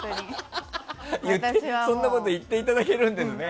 そんなこと言っていただけるんですね。